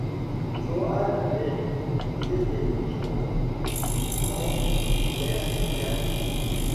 Johann et Dettingen an der Erms.